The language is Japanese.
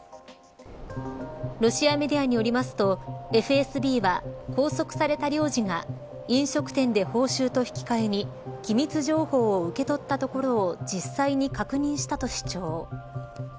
ロシアメディアによりますとＦＳＢは、拘束された領事が飲食店で報酬と引き換えに機密情報を受け取ったところを実際に確認したと主張。